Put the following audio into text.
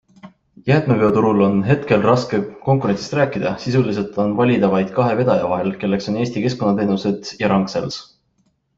Jäätmeveoturul on hetkel raske konkurentsist rääkida - sisuliselt on valida vaid kahe vedaja vahel, kelleks on Eesti Keskkonnateenused ja Ragn-Sells.